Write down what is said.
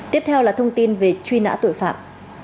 tiếp theo là thông tin về truy nã tội phạm